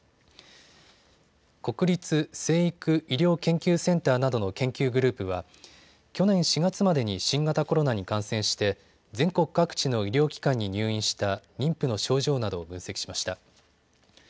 国立成育医療研究センターなどの研究グループは去年４月までに新型コロナに感染して全国各地の医療機関に入院した妊婦の症状などを分析しました。